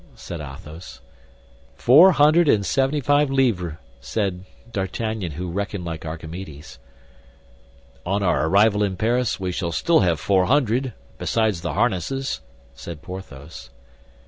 said Athos. "Four hundred and seventy five livres," said D'Artagnan, who reckoned like Archimedes. "On our arrival in Paris, we shall still have four hundred, besides the harnesses," said Porthos.